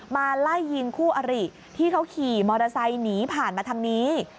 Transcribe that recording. มาไล่ยิงคู่อริที่เขาขี่มอเตอร์ไซค์หนีผ่านมาทางนี้